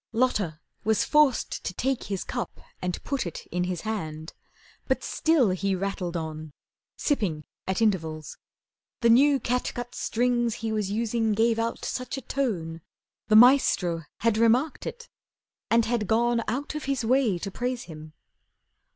Lotta was forced to take his cup and put It in his hand. But still he rattled on, Sipping at intervals. The new catgut Strings he was using gave out such a tone The "Maestro" had remarked it, and had gone Out of his way to praise him.